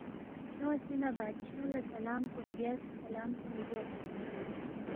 کھیونگسے نہ بادشاہ لہ سلَام کُن بیاس، سلام کُن لزوقس